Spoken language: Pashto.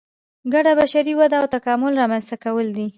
ګډه بشري وده او تکامل رامنځته کول دي.